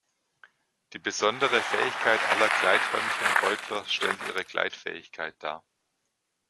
Die besondere Fähigkeit aller Gleithörnchenbeutler stellt ihre Gleitfähigkeit dar.